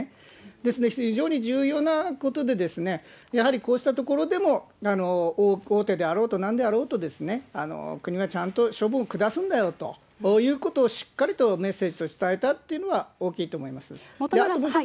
ですんで、非常に重要なことで、やはりこうしたところでも大手であろうと、なんであろうと、国はちゃんと処分を下すんだよということをしっかりとメッセージとして伝えたというのは大きいと思います。